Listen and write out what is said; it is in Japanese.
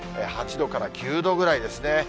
８度から９度ぐらいですね。